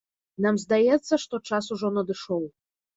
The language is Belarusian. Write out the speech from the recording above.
Нам здаецца, што час ужо надышоў.